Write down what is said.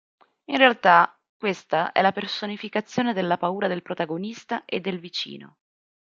In realtà questa è la personificazione della paura del protagonista e del vicino.